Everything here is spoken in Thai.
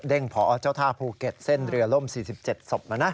พอเจ้าท่าภูเก็ตเส้นเรือล่ม๔๗ศพนะนะ